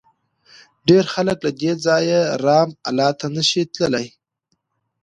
ډېر خلک له دې ځایه رام الله ته نه شي تللی.